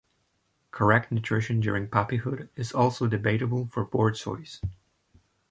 Correct nutrition during puppyhood is also debatable for borzois.